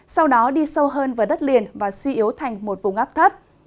sau đó đi sâu hơn vào đất liền và suy yếu thành một vùng áp thấp